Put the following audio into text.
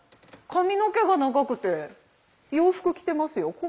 髪の毛が長くて洋服着てますよ。